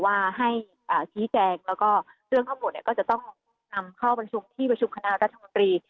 ว่าให้ชี้แจงแล้วก็เรื่องทั้งหมดเนี่ยก็จะต้องนำเข้าประชุมที่ประชุมคณะรัฐมนตรี